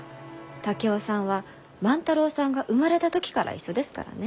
竹雄さんは万太郎さんが生まれた時から一緒ですからね。